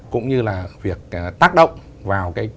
cũng như là tương đối với các cái bước khác nhau